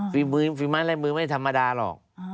ฝีม้านและมือไม่ได้ธรรมดาหรอก